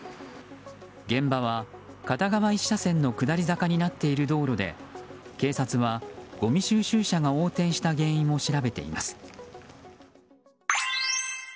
現場は、片側１車線の下り坂になっている道路で警察は、ごみ収集車が横転した原因を調べています。